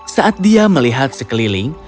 saat dia melihat sekeliling